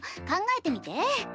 考えてみて。